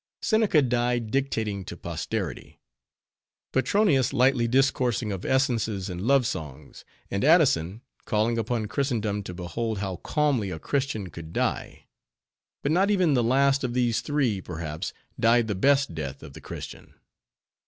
Seneca died dictating to posterity; Petronius lightly discoursing of essences and love songs; and Addison, calling upon Christendom to behold how calmly a Christian could die; but not even the last of these three, perhaps, died the best death of the Christian.